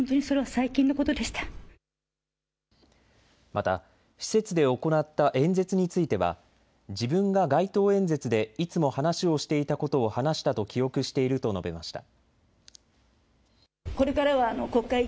また施設で行った演説については自分が街頭演説でいつも話をしていたことを話したと記憶していると述べました。